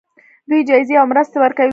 دوی جایزې او مرستې ورکوي.